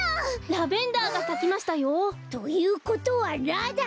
ラベンダーがさきましたよ。ということはラだ！